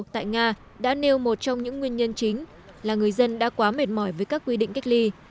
tại nga đã nêu một trong những nguyên nhân chính là người dân đã quá mệt mỏi với các quy định cách ly